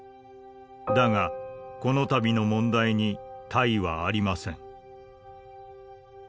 だがこのたびの問題に他意はありません」。